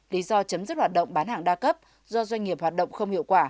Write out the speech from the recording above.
lý do chấm dứt hoạt động bán hàng đa cấp do doanh nghiệp hoạt động không hiệu quả